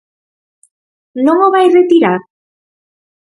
¿Non o vai retirar?